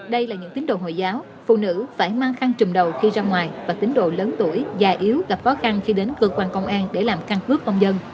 đây là những tín đồ hồi giáo phụ nữ phải mang khăn trùm đầu khi ra ngoài và tính đồ lớn tuổi già yếu gặp khó khăn khi đến cơ quan công an để làm căn cước công dân